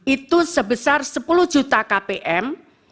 itu sebesar sepuluh juta kpm